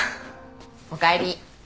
おかえり。